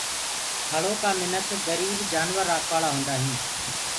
ٿݪو ڪآ منک گريب جآنور رآکوآݪآ هوندآئين